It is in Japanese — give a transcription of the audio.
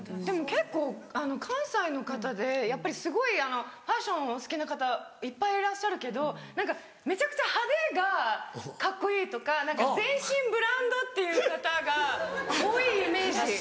でも結構関西の方ですごいファッションをお好きな方いっぱいいらっしゃるけど何かめちゃくちゃ派手がカッコいいとか全身ブランドっていう方が多いイメージ。